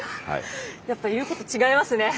やっぱ言うこと違いますね。